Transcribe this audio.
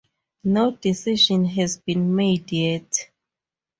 No decision has been made yet.